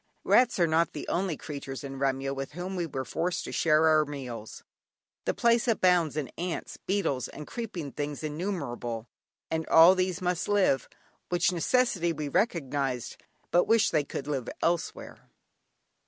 Rats are not the only creatures in Remyo with whom we were forced to share our meals. The place abounds in ants, beetles, and "creeping things innumerable," and all these must live; which necessity we recognised, but wished they could live elsewhere.